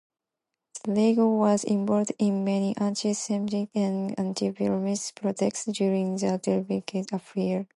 The Ligue was involved in many anti-Semitic and anti-Dreyfus protests during the Dreyfus Affair.